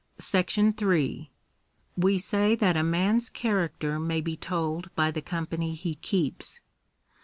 §3. We say that a man's character may be told by the company he keeps.